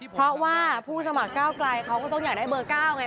เพราะว่าผู้สมัครก้าวไกลเขาก็ต้องอยากได้เบอร์๙ไง